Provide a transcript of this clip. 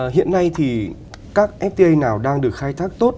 hiện nay thì các fta nào đang được khai thác tốt